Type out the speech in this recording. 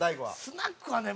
スナックはね